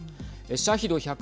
シャヒド